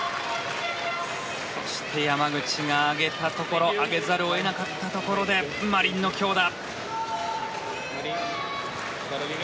そして山口が上げたところ上げざるを得なかったところでマリンの強打。